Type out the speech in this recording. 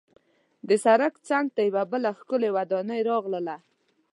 د سړک څنګ ته یوه بله ښکلې ودانۍ راغله.